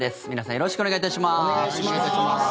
よろしくお願いします。